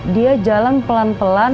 dia jalan pelan pelan